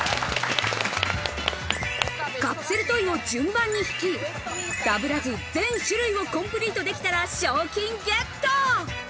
カプセルトイを順番に引き、ダブらず全種類をコンプリートできたら賞金ゲット！